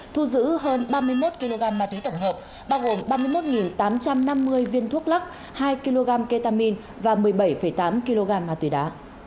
thu giữ hơn ba mươi một kg ma túy tổng hợp bao gồm ba mươi một tám trăm năm mươi viên thuốc lắc hai kg ketamine và một mươi bảy tám kg ma túy đá